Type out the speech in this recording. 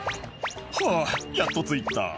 「はぁやっと着いた」